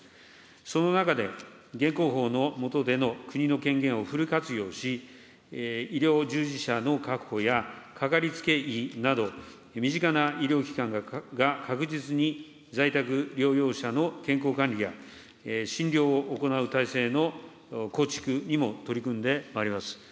その中で、現行法の下での国の権限をフル活用し、医療従事者の確保やかかりつけ医など、身近な医療機関が確実に在宅療養者の健康管理や診療を行う体制の構築にも取り組んでまいります。